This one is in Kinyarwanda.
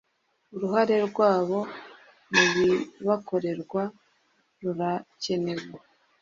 uruhare rwabo mu bibakorerwa rurakenewe